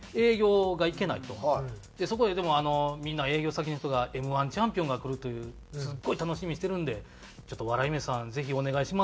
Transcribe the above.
そこででも「みんな営業先の人がＭ−１チャンピオンが来るというすっごい楽しみにしてるんでちょっと笑い飯さんぜひお願いします」って言って。